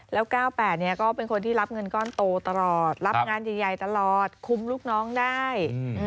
แล้ว๙๘ก็เป็นคนที่รับเงินก้อนโตตลอดรับงานใหญ่ตลอดคุมลูกน้องได้